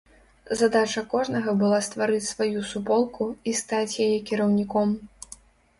Задача кожнага была стварыць сваю суполку, і стаць яе кіраўніком.